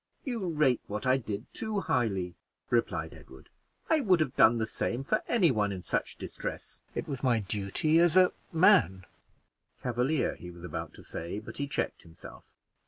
"You rate what I did too highly," replied Edward; "I would have done the same for any one in such distress: it was my duty as a man," Cavalier he was about to say, but he checked himself.